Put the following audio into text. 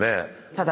ただ。